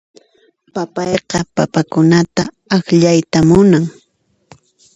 Papayqa papakunata akllayta munan.